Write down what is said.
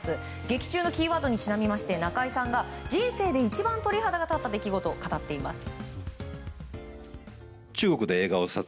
劇中のキーワードにちなみまして中井さんが、人生で一番鳥肌が立った出来事を語っています。